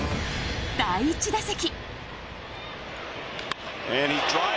第１打席。